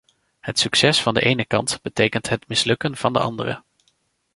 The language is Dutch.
Het succes van de ene kant betekent het mislukken van de andere.